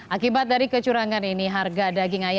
akibat dari kecurangan ini harga daging ayam